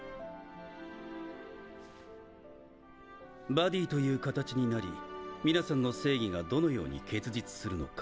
バディという形になり皆さんの正義がどのように結実するのか